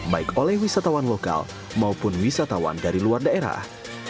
baik oleh wisatawan lokal maupun wisatawan dari luar daerah